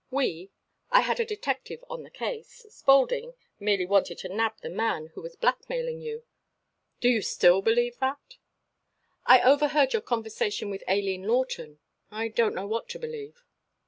We I had a detective on the case Spaulding merely wanted to nab the man who was blackmailing you " "Do you still believe that?" "I overheard your conversation with Aileen Lawton. I don't know what to believe."